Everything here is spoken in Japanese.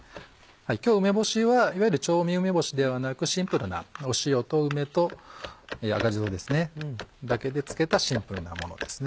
今日梅干しはいわゆる調味梅干しではなくシンプルな塩と梅と赤じそですねだけで漬けたシンプルなものですね。